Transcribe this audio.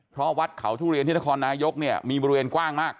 เพราะวัดเขาทุเรียนที่นครนายกเนี่ยมีบริเวณกว้างมาก